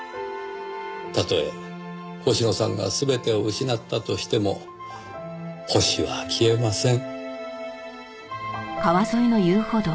たとえ星野さんが全てを失ったとしても星は消えません。